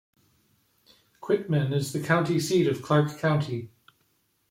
Quitman is the county seat of Clarke County.